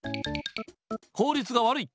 効率が悪い。